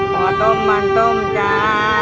ขอต้มมันต้มจ้า